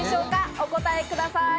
お答えください。